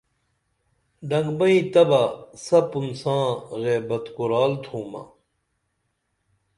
ڈنگبئیں تہ بہ سپُن ساں غیبت کورال تھومہ